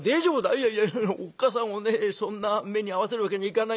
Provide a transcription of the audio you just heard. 「いやいやあのおっ母さんをねそんな目に遭わせるわけにはいかないんで。